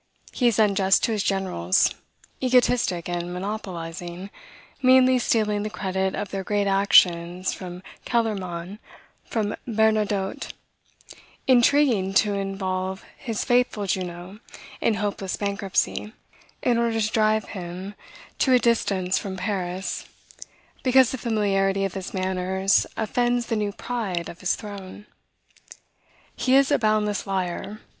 He is unjust to his generals; egotistic, and monopolizing; meanly stealing the credit of their great actions from Kellermann, from Bernadotte; intriguing to involve his faithful Junot in hopeless bankruptcy, in order to drive him to a distance from Paris, because the familiarity of his manners offends the new pride of his throne. He is a boundless liar.